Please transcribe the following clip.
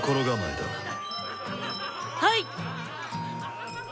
はい！